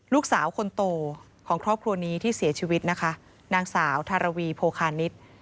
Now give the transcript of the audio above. ลูกสาวคนโตของครอบครัวนี้ที่เสียชีวิตนะคะนางสาวทารวีโพคานิษฐ์